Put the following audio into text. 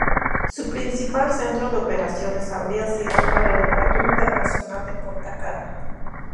Su principal centro de operaciones habría sido el Aeropuerto Internacional de Punta Cana.